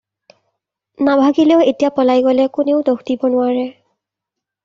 নাভাগিলেও এতিয়া পলাই গ'লে কোনেও দোষ দিব নোৱাৰে।